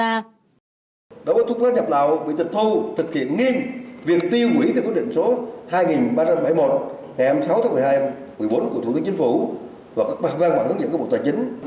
đấu tranh chống buôn lậu thuốc lá nhập lạo bị thịt thu thực hiện nghiêm viện tiêu quỷ theo quyết định số hai nghìn ba trăm bảy mươi một sáu một mươi hai một mươi bốn của thủ tướng chính phủ và các văn bản hướng dẫn các bộ tài chính